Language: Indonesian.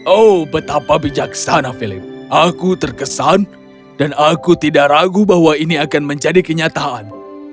oh betapa bijaksana philip aku terkesan dan aku tidak ragu bahwa ini akan menjadi kenyataan